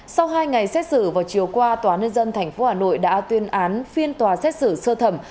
sau hai ngày xét xử vào chiều qua tnth hà nội đã tuyên án phiên tòa xét xử sơ thẩm